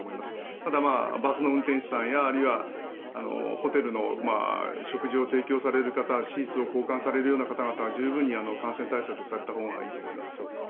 ただ、バスの運転手さんやホテルの食事を提供される方シーツを交換されるような方は十分に感染対策をされたほうがいいと思います。